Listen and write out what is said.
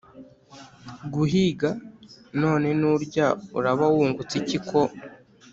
guhiga, none nundya uraba wungutse iki ko